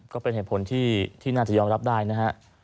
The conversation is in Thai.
ก็เป็นเหตุผลที่น่าจะยอมรับได้นะฮะ